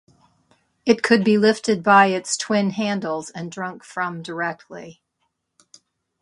It could be lifted by its twin handles and drunk from directly.